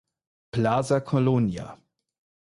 Plaza Colonia